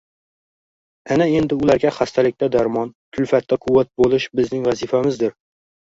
Ana endi ularga xastalikda darmon, kulfatda quvvat bo’lish bizning vazifamizdir.